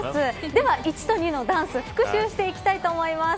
では１と２のダンス復習していきたいと思います。